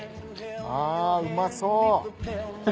あうまそう！